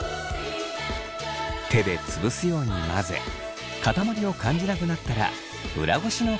手で潰すように混ぜ塊を感じなくなったら裏ごしの工程へ。